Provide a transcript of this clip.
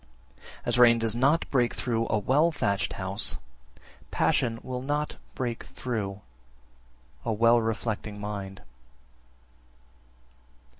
14. As rain does not break through a well thatched house, passion will not break through a well reflecting mind.